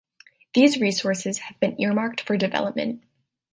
These resources have been earmarked for development.